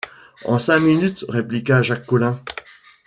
En cinq minutes, répliqua Jacques Collin.